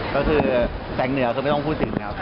ก็คือแต่งเหนือคือไม่ต้องพูดถึงครับ